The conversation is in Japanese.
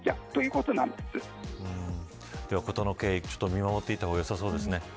事の経緯を見守っていた方がよさそうですね。